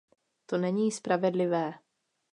To není spravedlivé.